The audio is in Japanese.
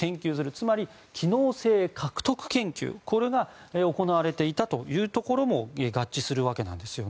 つまり機能性獲得研究が行われていたということも合致するわけです。